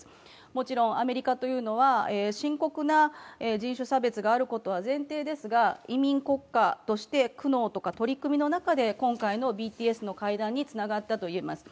もちろんアメリカというのは深刻な人種差別があることは前提ですが、移民国家として苦悩や取り組みの中で今回のＢＴＳの会談につながったといえます。